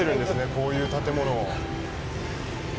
こういう建物を。